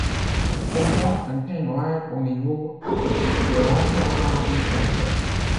Elle comporte un T noir au niveau de l'emplacement du timbre.